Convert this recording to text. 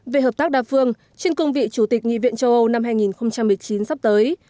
về hợp tác đa phương trên cương vị chủ tịch nghị viện châu âu năm hai nghìn một mươi chín sắp tới